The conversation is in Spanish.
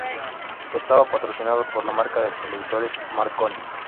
Estaba patrocinado por la marca de televisores Marconi.